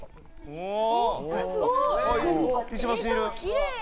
おお。